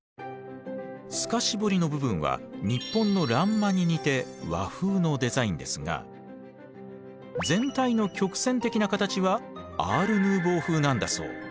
透かし彫りの部分は日本の欄間に似て和風のデザインですが全体の曲線的な形はアール・ヌーヴォー風なんだそう。